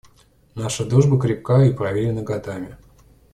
Наша дружба крепка и проверена годами.